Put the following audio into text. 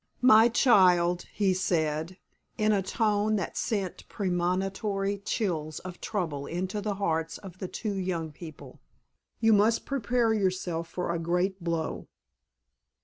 "My child," he said, in a tone that sent premonitory chills of trouble into the hearts of the two young people, "you must prepare yourself for a great blow."